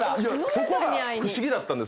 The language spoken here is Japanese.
そこが不思議だったんです。